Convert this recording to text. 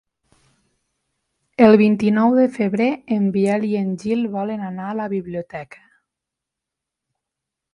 El vint-i-nou de febrer en Biel i en Gil volen anar a la biblioteca.